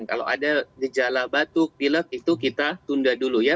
kalau ada gejala batuk pilek itu kita tunda dulu ya